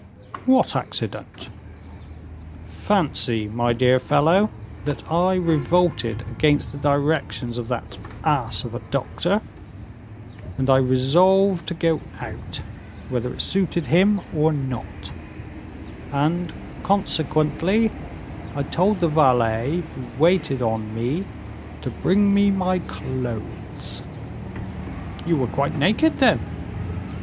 "What accident?" "Fancy, my dear fellow, that I revolted against the directions of that ass of a doctor, and I resolved to go out, whether it suited him or not: and, consequently, I told the valet who waited on me to bring me my clothes." "You were quite naked, then?"